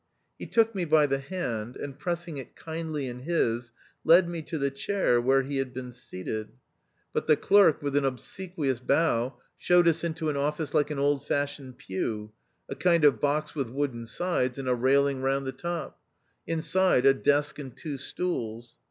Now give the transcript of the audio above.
He took me by the hand, and, pressing it kindly in his, led me to the chair where he 2 3 o THE OUTCAST. had been seated ; but the clerk, with an ob sequious bow, showed us into an office like an old fashioned pew ; a kind of box with wooden sides, and a railing round the top ; inside, a desk and two stools.